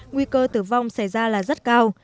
nguy cơ tử vong xảy ra là rất cao